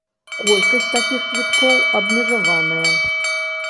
Колькасць такіх квіткоў абмежаваная.